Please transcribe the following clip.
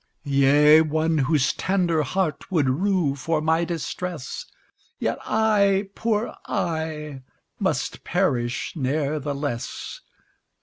Yea, one whose tender heart would rue for my distress; Yet I, poor I! must perish ne'ertheless.